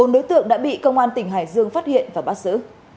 bốn đối tượng đã bị công an tỉnh hải dương phát hiện và bắt giữ